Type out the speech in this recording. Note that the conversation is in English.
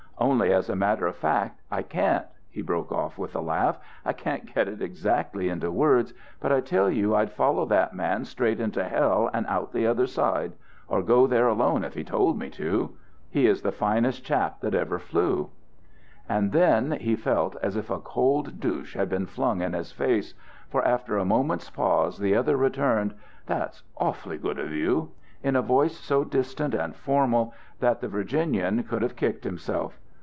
Only as a matter of fact, I can't," he broke off with a laugh. "I can't put it exactly into words, but I tell you I'd follow that man straight into hell and out the other side or go there alone if he told me to. He is the finest chap that ever flew." And then he felt as if a cold douche had been flung in his face, for after a moment's pause, the other returned, "That's awfully good of you," in a voice so distant and formal that the Virginian could have kicked himself.